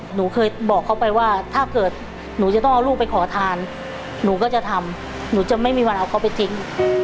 หนูเคยบอกเขาไปว่าถ้าเกิดหนูจะต้องเอาลูกไปขอทานหนูก็จะทำหนูจะไม่มีวันเอาเขาไปทิ้ง